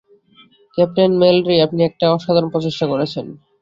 Captain Mallory, আপনি একটা অসাধারণ প্রচেষ্টা করেছেন।